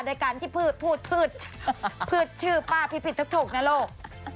ด้วยการที่พืดชื่อป้าผิดถูกนะโลก